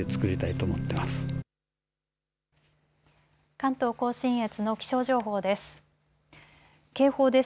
関東甲信越の気象情報です。